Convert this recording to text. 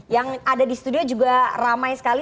yang ada di studio juga ramai sekali